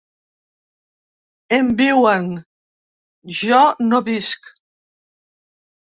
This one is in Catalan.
Em viuen, jo no visc.